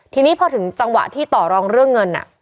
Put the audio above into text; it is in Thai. ทีนี้พอถึงจังหวะที่ต่อรองเรื่องเงิน